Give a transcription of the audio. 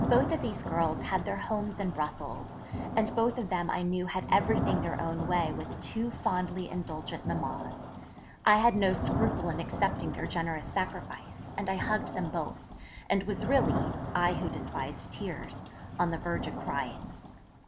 Both of these girls had their homes in Brussels, and both of them I knew had everything their own way with two fondly indulgent mammas. I had no scruple in accepting their generous sacrifice, and I hugged them both, and was really (I who despised tears) on the verge of crying.